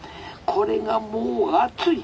これがもう熱い！